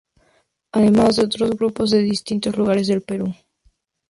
Además de otros grupos de distintos lugares del Perú.